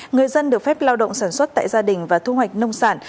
người dân được phép lao động sản xuất tại gia đình và thu hoạch nông sản